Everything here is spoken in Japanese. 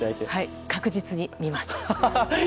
確実に見ます。